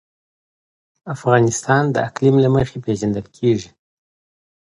افغانستان د اقلیم له مخې پېژندل کېږي.